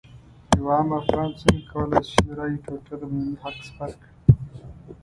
یو عام افغان څنګه کولی شي د رایې ټوټه د مدني حق سپر کړي.